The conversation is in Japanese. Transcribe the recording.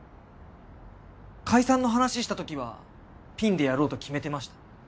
解散の話ししたときはピンでやろうと決めてました。